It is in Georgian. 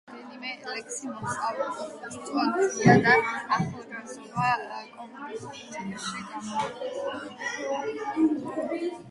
იოსებს რამდენიმე ლექსი მოსწონებია და „ახალგაზრდა კომუნისტში“ გამოუქვეყნებია.